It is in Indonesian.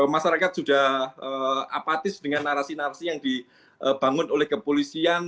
masyarakat sudah apatis dengan narasi narasi yang dibangun oleh kepolisian